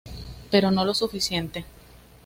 Pero no lo suficiente.